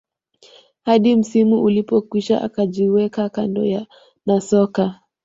hadi msimu ulipokwisha akajiweka kando na soka